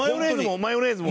マヨネーズも？